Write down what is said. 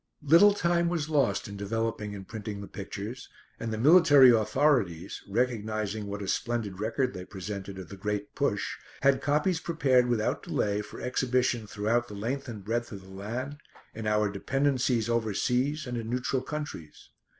Little time was lost in developing and printing the pictures, and the Military authorities, recognising what a splendid record they presented of "The Great Push," had copies prepared without delay for exhibition throughout the length and breadth of the land; in our Dependencies over seas, and in neutral countries.